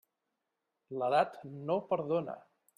L'edat no perdona.